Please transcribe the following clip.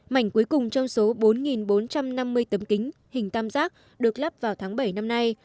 mảnh cuối cùng trong số bốn bốn trăm năm mươi tấm kính hình tam giác được lắp vào tháng bảy năm nay